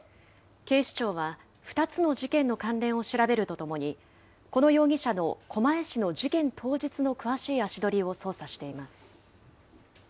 警視庁は、２つの事件の関連を調べるとともに、この容疑者の狛江市の事件当日の詳しい足取りを捜査しています。